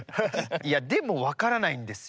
いやでも分からないんですよ。